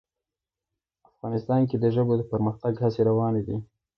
افغانستان کې د ژبو د پرمختګ هڅې روانې دي.